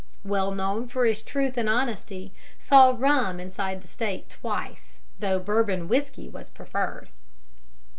well known for his truth and honesty, saw rum inside the State twice, though Bourbon whiskey was preferred.